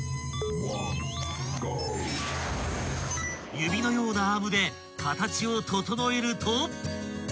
［指のようなアームで形を整えると］